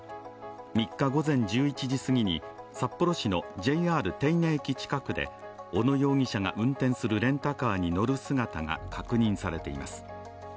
３日午前１１時すぎに札幌市のＪＲ手稲駅近くで小野容疑者が運転するレンタカーに乗る姿が確認されています。